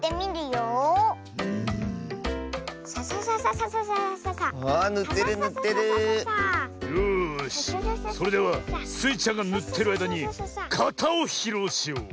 よしそれではスイちゃんがぬってるあいだにかたをひろうしよう。